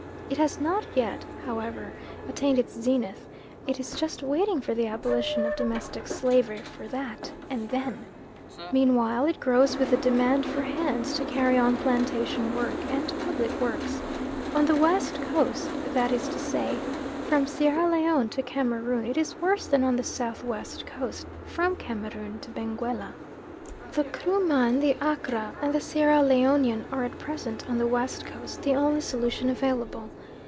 It has not yet, however, attained its zenith; it is just waiting for the abolition of domestic slavery for that and then! Meanwhile it grows with the demand for hands to carry on plantation work, and public works. On the West Coast that is to say, from Sierra Leone to Cameroon it is worse than on the South West Coast from Cameroon to Benguella. The Kruman, the Accra, and the Sierra Leonian are at present on the West Coast the only solution available.